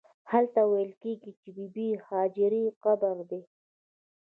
هلته ویل کېږي د بې بي هاجرې قبر دی.